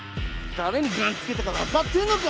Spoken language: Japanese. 誰にガンつけたか分かってんのか